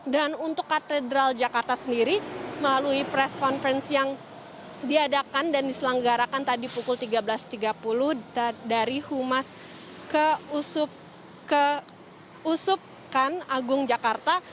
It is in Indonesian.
dan untuk katedral jakarta sendiri melalui press conference yang diadakan dan diselanggarakan tadi pukul tiga belas tiga puluh dari humas ke usupkan agung jakarta